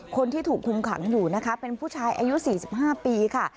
คนที่ถูกคุมขังอยู่นะคะเป็นผู้ชายอายุ๔๕ปีค่ะ